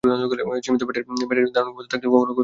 সীমিত ব্যাটারির ধারণ ক্ষমতা থাকত কখনো কখনো তাও থাকত না।